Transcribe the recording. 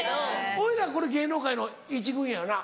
俺らこれ芸能界の１軍やよな？